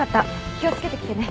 気を付けて来てね。